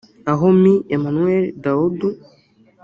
aho Me Emmanuel Daoud